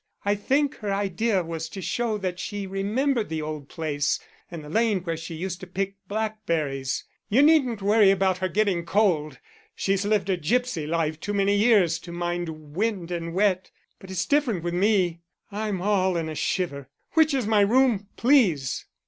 I think her idea was to show that she remembered the old place and the lane where she used to pick blackberries. You needn't worry about her getting cold. She's lived a gipsy life too many years to mind wind and wet. But it's different with me. I'm all in a shiver. Which is my room, please?"